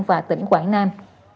và tỉnh quảng nam